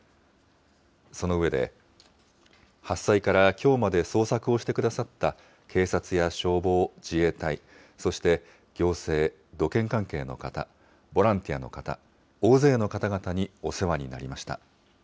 その上で、発災からきょうまで捜索をしてくださった警察や消防、自衛隊、そして行政、土建関係の方、ボランティアの方、大勢の方々にお世話になりました。